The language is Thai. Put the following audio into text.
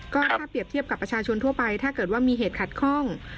ก็ถ้าเปรียบเทียบกับประชาชนทั่วไปถ้าเกิดว่ามีเหตุขัดข้อง